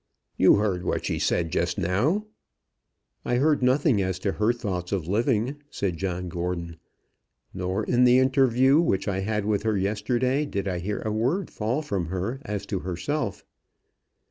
"You heard what she said just now." "I heard nothing as to her thoughts of living," said John Gordon "Nor in the interview which I had with her yesterday did I hear a word fall from her as to herself.